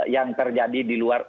yang terjadi di luar